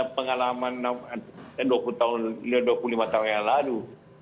pengalaman dua puluh tahun dua puluh lima tahun yang lalu